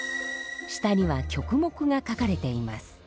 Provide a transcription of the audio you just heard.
下には曲目が書かれています。